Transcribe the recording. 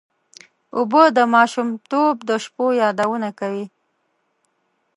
اوبه د ماشومتوب د شپو یادونه کوي.